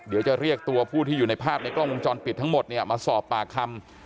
เดี๋ยวจะเรียกตัวผู้ที่อยู่ในภาพในกล้องวงจรปิดทั้งหมดเนี่ยมาสอบปากคำ